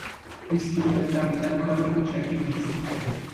بیست کیلومتر دویدن کار کوچکی نیست.